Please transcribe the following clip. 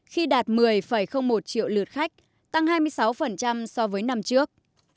khi đạt một mươi một triệu lượt khách tăng hai mươi sáu so với năm trước